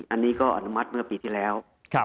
อันนี้ก็อนุมัติเมื่อปีที่แล้ว